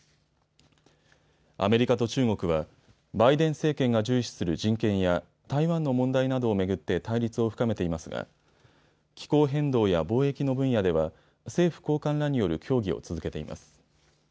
アメリカと中国はバイデン政権が重視する人権や台湾の問題などを巡って対立を深めていますが気候変動や貿易の分野では政府高官らによる協議を続けています。